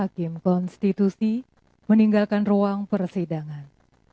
hakim konstitusi meninggalkan ruang persidangan